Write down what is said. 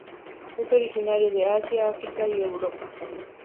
Es originaria de Asia, África y Europa.